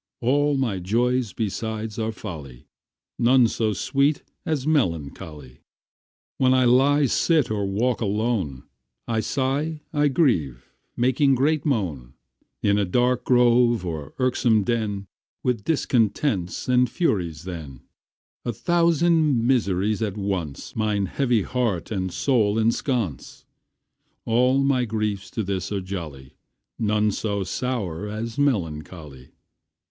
All my joys besides are folly, None so sweet as melancholy. When I lie, sit, or walk alone, I sigh, I grieve, making great moan, In a dark grove, or irksome den, With discontents and Furies then, A thousand miseries at once Mine heavy heart and soul ensconce, All my griefs to this are jolly, None so sour as melancholy.